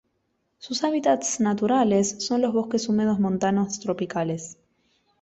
Sus hábitats naturales son los bosques húmedos montanos tropicales.